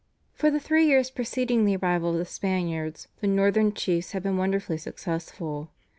For the three years preceding the arrival of the Spaniards the Northern chiefs had been wonderfully successful.